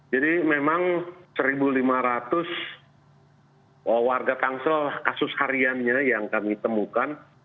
jadi memang satu lima ratus warga kansel kasus hariannya yang kami temukan